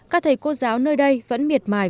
các thầy cô giáo nơi đây vẫn miệt mải